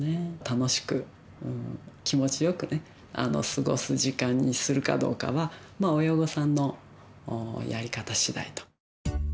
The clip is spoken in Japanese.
楽しく気持ちよくね過ごす時間にするかどうかは親御さんのやり方しだいと。